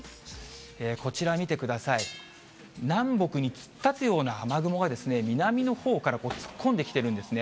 こちら見てください、南北に突っ立つような雨雲が、南のほうから突っ込んできているんですね。